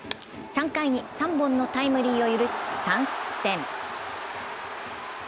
３回に３本のタイムリーを許し３失点。